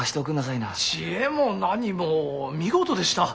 知恵も何も見事でした。